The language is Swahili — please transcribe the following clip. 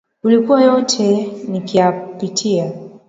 Ulikuwa yote nikiyapitia .